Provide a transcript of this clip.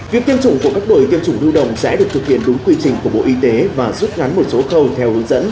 việc tiêm chủng của các đội tiêm chủng lưu đồng sẽ được thực hiện đúng quy trình của bộ y tế và rút ngắn một số khâu theo hướng dẫn